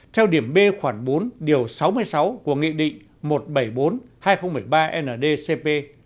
theo điểm b khoảng bốn điều sáu mươi sáu của nghị định một trăm bảy mươi bốn hai nghìn một mươi ba ndcp